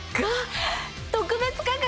特別価格！